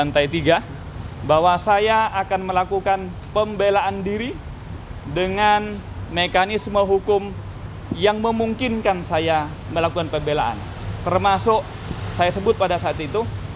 termasuk saya sebut pada saat itu